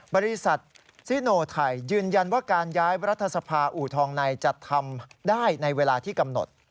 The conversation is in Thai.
บริษัทซิโนไทยยืนยันว่าการย้ายรัฐสภาอูทองในจะทำได้ในเวลาที่กำหนด